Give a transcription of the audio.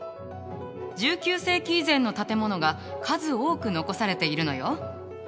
１９世紀以前の建物が数多く残されているのよ。